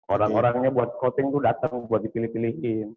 orang orangnya buat scouting tuh dateng buat dipilih pilihin